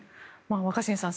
若新さん